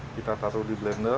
kita taruh di blender